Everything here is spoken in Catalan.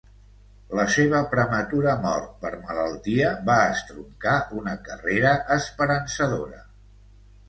La seva prematura mort per malaltia va estroncar una carrera esperançadora.